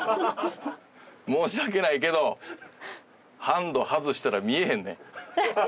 申し訳ないけどハンド外したら見えへんねん。